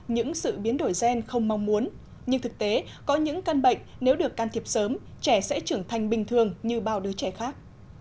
những sự biến đổi gen không mong muốn nhưng thực tế có những căn bệnh nếu được can thiệp sớm trẻ sẽ trưởng thành bình thường như bao đứa trẻ khác